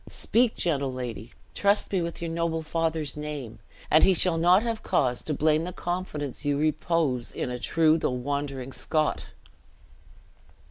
Speak, gentle lady! trust me with your noble father's name, and he shall not have cause to blame the confidence you repose in a true though wandering Scot!"